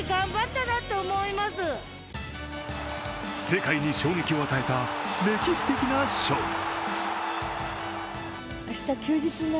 世界に衝撃を与えた歴史的な勝利。